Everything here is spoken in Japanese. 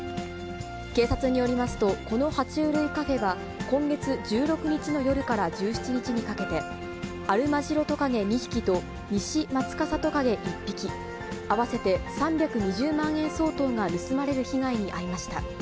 警察によりますと、このは虫類カフェは、今月１６日の夜から１７日にかけて、アルマジロトカゲ２匹とニシマツカサトカゲ１匹、合わせて３２０万円相当が盗まれる被害に遭いました。